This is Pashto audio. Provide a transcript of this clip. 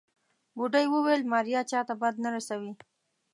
بوډۍ وويل ماريا چاته بد نه رسوي.